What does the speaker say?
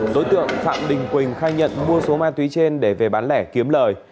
đối tượng phạm đình quỳnh khai nhận mua số ma túy trên để về bán lẻ kiếm lời